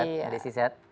mbak desi sehat